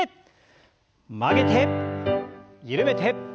曲げて緩めて。